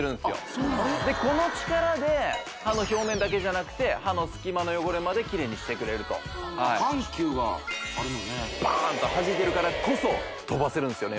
そうなんやこの力で歯の表面だけじゃなくて歯の隙間の汚れまでキレイにしてくれると緩急があるのねパーンとはじけるからこそ飛ばせるんですよね